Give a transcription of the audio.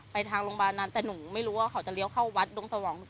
ไปถ้างโรงพยานั้นแต่หนูไม่รู้ว่าจะเขาเขียวเข้าวัดดงสวองนิดหน่ะ